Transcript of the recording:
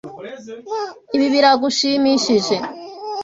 Ibi biragushimishije?